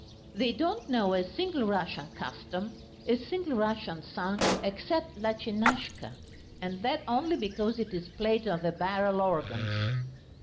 They don't know a single Russian custom, a single Russian song except "Lutchinushka," and that only because it is played on the barrel organs.